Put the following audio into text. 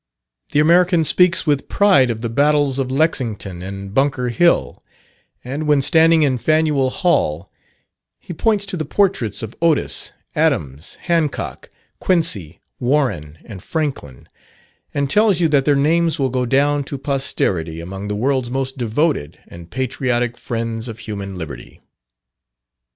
The American speaks with pride of the battles of Lexington and Bunker Hill; and when standing in Faneuil Hall, he points to the portraits of Otis, Adams, Hancock, Quincy, Warren, and Franklin, and tells you that their names will go down to posterity among the world's most devoted and patriotic friends of human liberty.